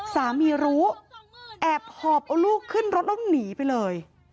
สามีรู้แอบหอบเอาลูกขึ้นรถแล้วหนีไปเลย